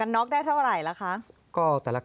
สนุนโดยอีซุสุข